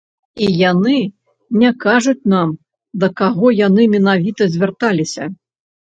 І яны не кажуць нам, да каго яны менавіта звярталіся.